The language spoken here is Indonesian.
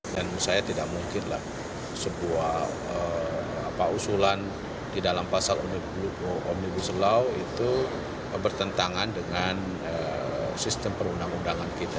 dan saya tidak mungkinlah sebuah usulan di dalam pasar ruu omnibus law itu bertentangan dengan sistem perundang undangan kita